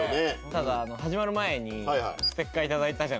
ただ始まる前にステッカー頂いたじゃないですか。